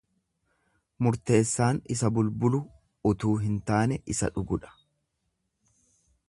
Murteessaan isa bulbulu utuu hin taane isa dhugudha.